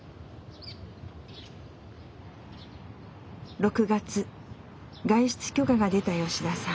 ６月外出許可が出た吉田さん。